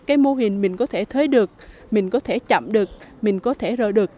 cái mô hình mình có thể thấy được mình có thể chậm được mình có thể rỡ được